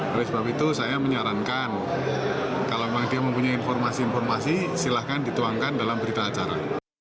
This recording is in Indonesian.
oleh sebab itu saya menyarankan kalau memang dia mempunyai informasi informasi silahkan dituangkan dalam berita acara